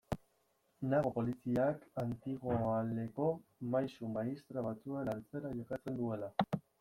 Nago poliziak antigoaleko maisu-maistra batzuen antzera jokatzen duela.